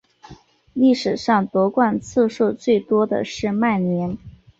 历史上夺冠次数最多的是曼联。